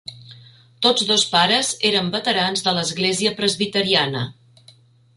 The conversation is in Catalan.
Tots dos pares eren veterans de l'Església Presbiteriana.